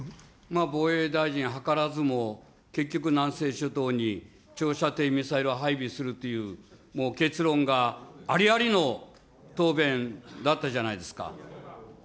防衛大臣、はからずも、結局、南西諸島に長射程ミサイルを配備するという、もう結論がありありの答弁だったじゃないですか。